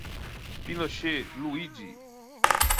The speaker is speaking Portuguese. Pinochet, Luide